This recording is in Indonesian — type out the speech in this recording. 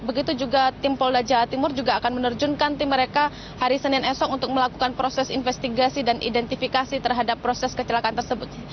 begitu juga tim polda jawa timur juga akan menerjunkan tim mereka hari senin esok untuk melakukan proses investigasi dan identifikasi terhadap proses kecelakaan tersebut